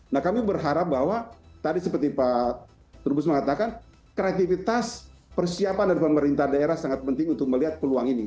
nah kami berharap bahwa tadi seperti pak turbus mengatakan kreativitas persiapan dari pemerintah daerah sangat penting untuk melihat peluang ini